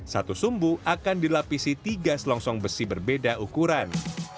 satu sumbu akan dilapisi tiga selongsong besi berbeda ukuran